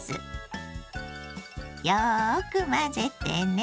よく混ぜてね。